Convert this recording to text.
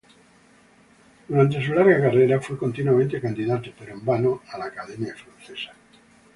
Durante su larga carrera, fue continuamente candidato, pero en vano, a la Academia Francesa.